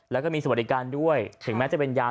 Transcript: แล้วก็มีสวัสดีการณ์ด้วยแถวนี้แม้จะเป็นยาม